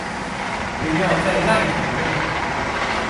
不要再賴床了